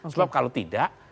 sebab kalau tidak